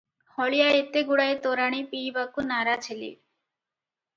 ହଳିଆ ଏତେଗୁଡ଼ାଏ ତୋରାଣୀ ପିଇବାକୁ ନାରାଜ ହେଲେ